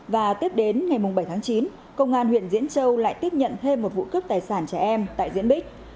và tiếp đến ngày bảy tháng chín công an huyện diễn châu lại tiếp nhận thêm một vụ cướp tài sản trẻ em tại diễn bích